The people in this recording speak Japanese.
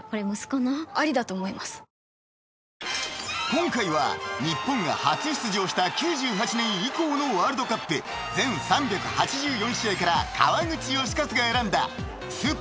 ［今回は日本が初出場した９８年以降のワールドカップ全３８４試合から川口能活が選んだスーパーセーブ